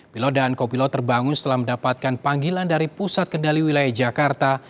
pilot dan kopilot terbangun setelah mendapatkan panggilan dari pusat kendali wilayah jakarta